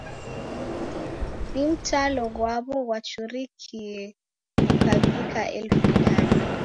Na mtalo ghwaw'o ghwachurikie ghukavika elfu idadu.